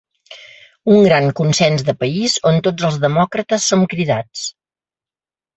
Un gran consens de país on tots els demòcrates som cridats.